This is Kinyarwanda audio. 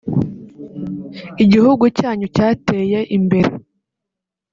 Igihugu cyanyu cyateye imbere